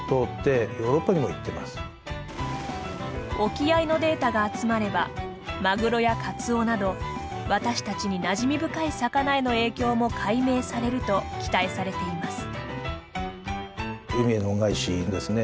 沖合のデータが集まればマグロやカツオなど私たちになじみ深い魚への影響も解明されると期待されています。